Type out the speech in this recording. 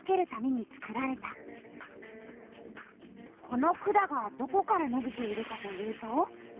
この管がどこからのびているかというと。